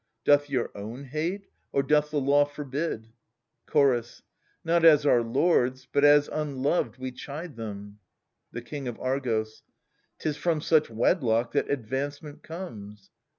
Doth your own hate, or doth the law forbid ? Chorus. r\^ Not as our lords, but as unloved, we chide them. The King of Argos. 'Tis from such wedlock that advancement comes.